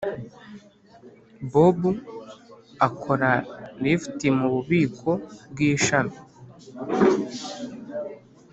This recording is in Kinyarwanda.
bob akora lift mu bubiko bw'ishami